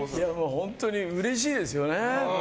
本当にうれしいですよね。